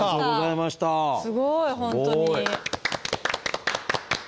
すごい本当に。